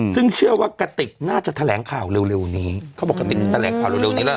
ซึ่งเชื่อว่ากติกน่าจะแถลงข่าวเร็วนี้เขาบอกกะติกจะแถลงข่าวเร็วนี้แล้ว